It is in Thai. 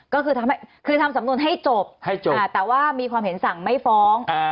ก็คือทำสำนวนให้จบให้จบแต่ว่ามีความเห็นสั่งไม่ฟ้อง